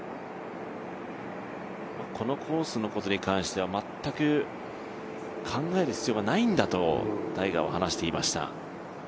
このコースのことに関しては全く考える必要がないんだとタイガーは話していました。